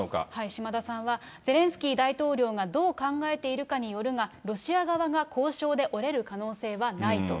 島田さんは、ゼレンスキー大統領がどう考えているかによるが、ロシア側が交渉で折れる可能性はないと。